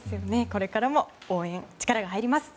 これからも応援に力が入ります。